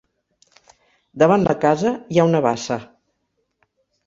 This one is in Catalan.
Davant la casa hi ha una bassa.